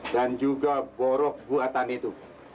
dan juga borok buatan itu